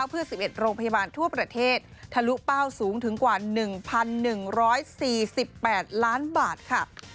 เพื่อ๑๑โรงพยาบาลทั่วประเทศทะลุเป้าสูงถึงกว่า๑๑๔๘ล้านบาทค่ะ